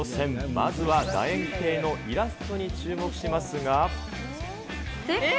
まずはだ円形のイラストに注目しえっ？